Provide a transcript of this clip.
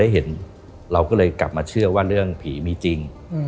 เห็นเราก็เลยกลับมาเชื่อว่าเรื่องผีมีจริง